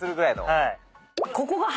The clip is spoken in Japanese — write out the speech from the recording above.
ここが。